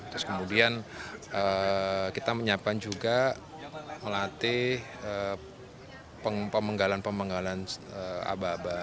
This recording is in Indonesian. terus kemudian kita menyiapkan juga melatih pemenggalan pemenggalan aba aba